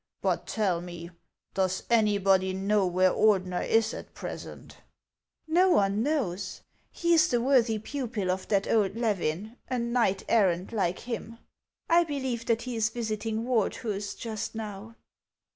" But tell me, does anybody know where Ordener is at present ?"" Xo one knows ; he is the worthy pupil of that old Levin, a knight errant like him. I believe that he is visiting Wardhus just now."